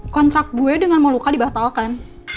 kontrak gue dengan moluka dibatalkan